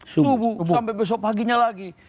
subuh sampai besok paginya lagi